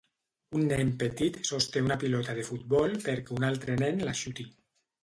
Un nen petit sosté una pilota de futbol perquè un altre nen la xuti.